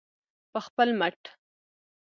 په خپل مټ.